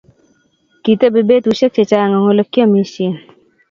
Kitebi betushiek chechang eng olegiamishen